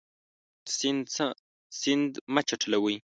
سیند مه چټلوئ.